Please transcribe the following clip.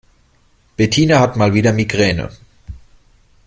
Bettina hat mal wieder Migräne.